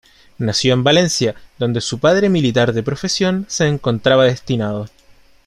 Nació en Valencia donde su padre militar de profesión se encontraba destinado.